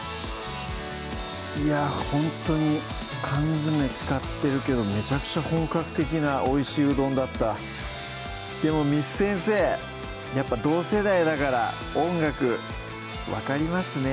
いやぁほんとに缶詰使ってるけどめちゃくちゃ本格的なおいしいうどんだったでも簾先生やっぱ同世代だから音楽分かりますね